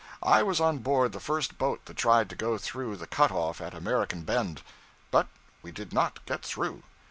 I was on board the first boat that tried to go through the cut off at American Bend, but we did not get through.